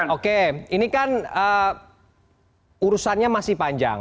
oke ini kan urusannya masih panjang